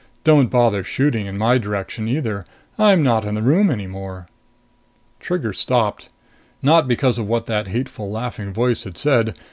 "Don't bother shooting in my direction either! I'm not in the room any more." Trigger stopped. Not because of what that hateful, laughing voice had said.